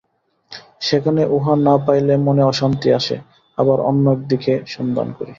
সেখানে উহা না পাইলে মনে অশান্তি আসে, আবার অন্য একদিকে সন্ধান করি।